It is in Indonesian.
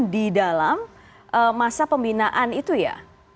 di dalam masa pembinaan itu ya